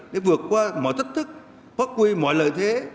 để vượt qua mọi thách thức phát huy mọi lợi thế